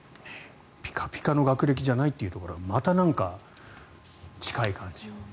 ピカピカの学歴じゃないというところがまたなんか、近い感じが。